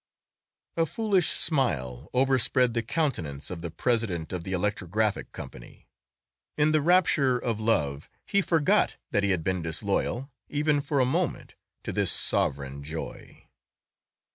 A foolish smile overspread the countenance of the president of the Electrographic Company. In the rapture of love he forgot that he had been disloyal even for a moment to this Sovereign Joy.